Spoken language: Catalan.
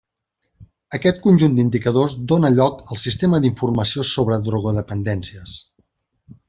Aquest conjunt d'indicadors dóna lloc al sistema d'informació sobre drogodependències.